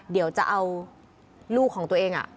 เดี๋ยวจะเอาลูกของตัวเอง